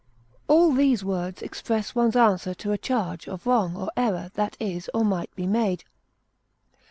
All these words express one's answer to a charge of wrong or error that is or might be made.